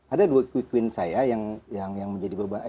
ada dua quick win saya yang menjadi beban